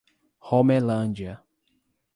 Romelândia